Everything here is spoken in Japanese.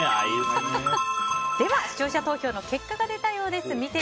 では視聴者投票の結果が出たようです。